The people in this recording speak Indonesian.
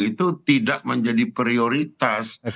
itu tidak menjadi prioritas